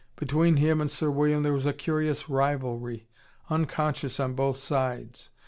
Between him and Sir William there was a curious rivalry unconscious on both sides.